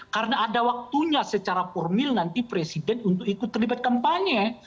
karena ada waktunya secara formal nanti presiden untuk ikut terlibat kampanye